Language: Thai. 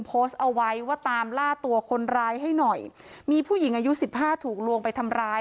โพสต์เอาไว้ว่าตามล่าตัวคนร้ายให้หน่อยมีผู้หญิงอายุสิบห้าถูกลวงไปทำร้าย